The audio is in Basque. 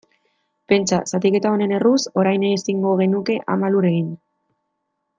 Pentsa, zatiketa honen erruz, orain ezingo genuke Ama Lur egin.